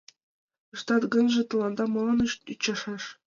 Ыштат гынже, тыланда молан ӱчашаш?